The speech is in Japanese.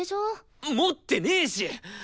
持ってねし！